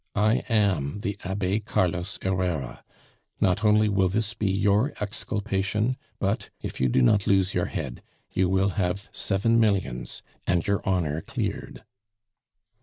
I am the Abbe Carlos Herrera. Not only will this be your exculpation; but, if you do not lose your head, you will have seven millions and your honor cleared."